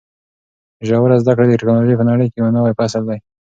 ژوره زده کړه د ټکنالوژۍ په نړۍ کې یو نوی فصل دی.